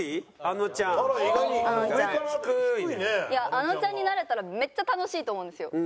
あのちゃんになれたらめっちゃ楽しいと思うんですよ。